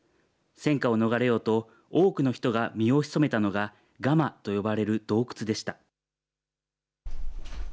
戦火を逃れようと、多くの人が身をひそめたのが、ガマと呼ばれる洞窟でした。